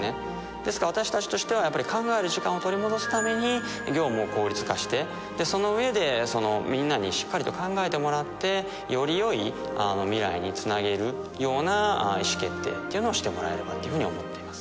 ですから私たちとしては考える時間を取り戻すために業務を効率化してその上でみんなにしっかりと考えてもらってより良い未来につなげるような意思決定っていうのをしてもらえればと思っています。